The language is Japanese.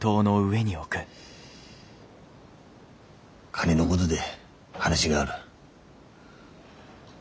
金のごどで話がある。